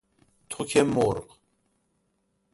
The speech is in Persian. تک مرغ